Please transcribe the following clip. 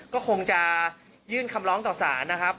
ก็คงจะยื่นคำร้องต่อสารนะครับ